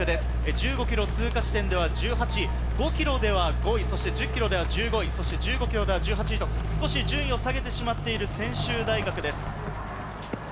１５ｋｍを通過した時点では、１８位、５ｋｍでは５位、１０ｋｍでは１５位、１５ｋｍでは１８位と少し順位を下げてしまっている専修大学です。